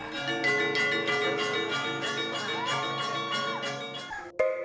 kenapa pandan lengis